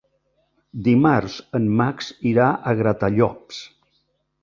Dimarts en Max irà a Gratallops.